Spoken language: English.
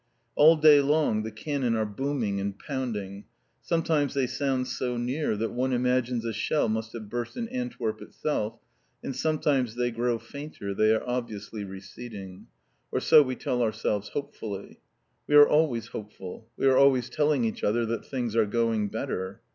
All day long the cannon are booming and pounding; sometimes they sound so near that one imagines a shell must have burst in Antwerp itself; and sometimes they grow fainter, they are obviously receding. Or so we tell ourselves hopefully. We are always hopeful; we are always telling each other that things are going better.